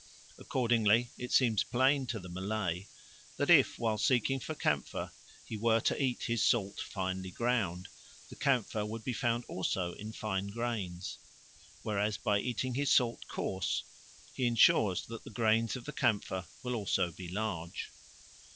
Accordingly it seems plain to the Malay that if, while seeking for camphor, he were to eat his salt finely ground, the camphor would be found also in fine grains; whereas by eating his salt coarse he ensures that the grains of the camphor will also be large.